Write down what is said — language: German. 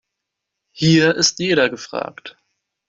Hier ist jeder gefragt.